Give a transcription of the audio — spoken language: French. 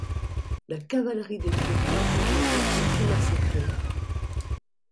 La cavalerie des troupes impériales y fut massacrée.